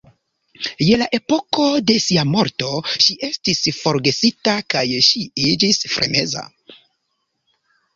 Je la epoko de sia morto ŝi estis forgesita kaj ŝi iĝis freneza.